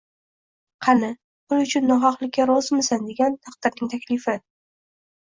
Qani, pul uchun nohaqlikka rozimisan degan taqdirning taklifi